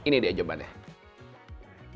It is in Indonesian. ini dia jawabannya